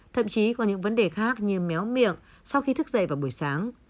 thậm chí có những vấn đề khác như méo miệng sau khi thức dậy vào buổi sáng